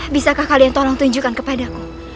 bisakah kalian tolong tunjukkan kepadaku